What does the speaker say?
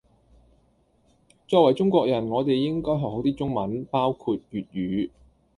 作為中國人我哋應該學好啲中文，包括粵語